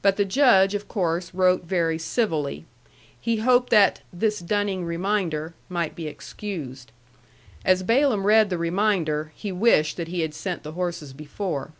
But the Judge, of course, wrote very civilly. He hoped that "this dunning reminder" might be excused. As Balaam read the reminder, he wished that he had sent the horses before.